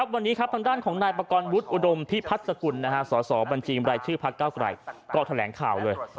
วันนี้ครับทางด้านของนายประกอบวุฒิอุดมพิพัฒน์สกุลสอสอบัญชีบรายชื่อพักเก้าไกลก็แถลงข่าวเลย